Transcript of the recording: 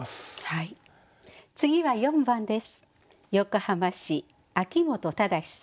次は４番です。